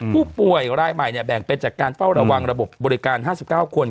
ผู้ป่วยรายใหม่แบ่งเป็นจากการเฝ้าระวังระบบบบริการ๕๙คน